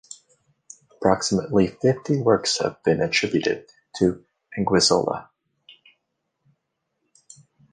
Approximately fifty works have been attributed to Anguissola.